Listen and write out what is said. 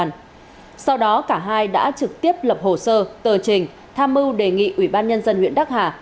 nguyễn cao yến và ninh thành luân đã trực tiếp lập hồ sơ tờ trình tham mưu đề nghị ủy ban nhân dân huyện đắc hà